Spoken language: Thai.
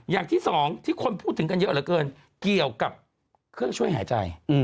อย่างที่สองที่คนพูดถึงกันเยอะเหลือเกินเกี่ยวกับเครื่องช่วยหายใจ